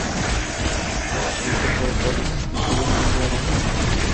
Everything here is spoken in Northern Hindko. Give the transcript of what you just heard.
جِتھا ترے پہاڑی سلسلے ملدے ہون۔